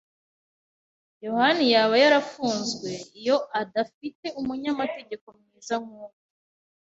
yohani yaba yarafunzwe iyo adafite umunyamategeko mwiza nkuyu.